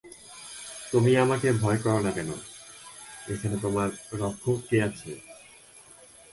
তুমি আমাকে ভয় কর না কেন, এখানে তোমার রক্ষক কে আছে।